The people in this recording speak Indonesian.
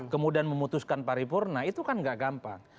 kemudian memutuskan paripurna itu kan gak gampang